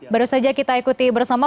baru saja kita ikuti bersama